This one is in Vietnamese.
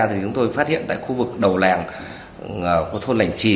thì chúng tôi phát hiện tại khu vực đầu làng của thông lãnh trị